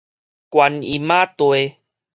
觀音仔地